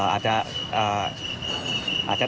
อาจจะ